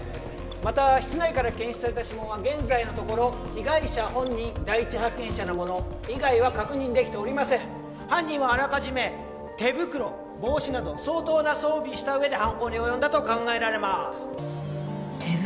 また室内から検出された指紋は現在のところ被害者本人第一発見者のもの以外は確認できておりません犯人はあらかじめ手袋帽子など相当な装備した上で犯行に及んだと考えられまーす手袋？